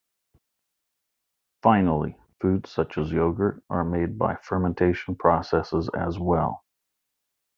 Finally, foods such as yogurt are made by fermentation processes as well.